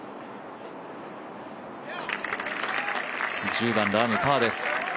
１０番、ラーム、パーです。